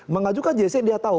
mengajukan jsc dia tau